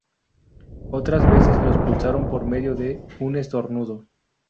Otras veces lo expulsan por medio de un estornudo.